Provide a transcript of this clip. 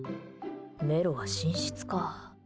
メロは寝室か。